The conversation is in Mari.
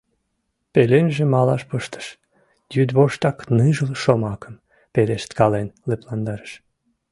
Пеленже малаш пыштыш, йӱдвоштак ныжыл шомакым пелешткален лыпландарыш.